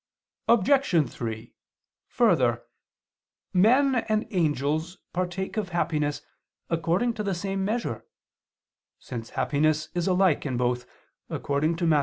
Obj. 3: Further, men and angels partake of happiness according to the same measure, since happiness is alike in both, according to Matt.